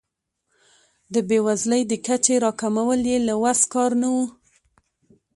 د بیوزلۍ د کچې راکمول یې له وس کار نه و.